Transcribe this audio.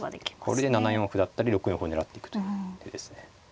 これで７四歩だったり６四歩を狙っていくという手ですね。